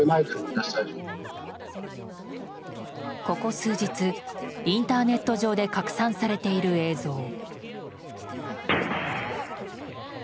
ここ数日、インターネット上で拡散されている映像。